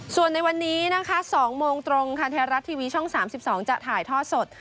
ส่วนในวันนี้นะคะ๒โมงตรงค่ะไทยรัฐทีวีช่อง๓๒จะถ่ายทอดสด